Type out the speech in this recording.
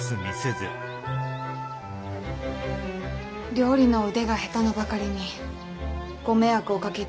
料理の腕が下手なばかりにご迷惑をおかけいたします。